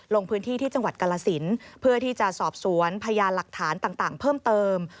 ลงพื้นที่ที่จังหวัดกาลสินเพื่อที่จะสอบสวนพยานหลักฐานต่างเพิ่มเติม